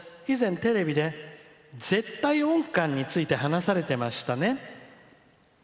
以前、テレビで絶対音感について話されてましたね」。